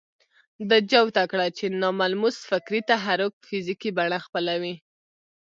ده جوته کړه چې ناملموس فکري تحرک فزيکي بڼه خپلوي.